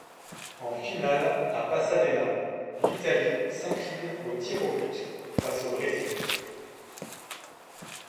En finale à Pasadena, l'Italie s'incline aux tirs au but face au Brésil.